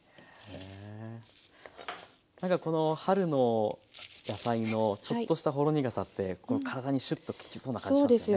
何かこの春の野菜のちょっとしたほろ苦さって体にシュッと効きそうな感じしますよね。